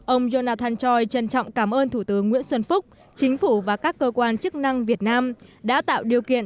ông jonathan choi trân trọng cảm ơn thủ tướng nguyễn xuân phúc chính phủ và các cơ quan chức năng việt nam đã tạo điều kiện